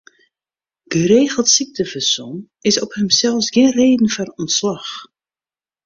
Geregeld syktefersom is op himsels gjin reden foar ûntslach.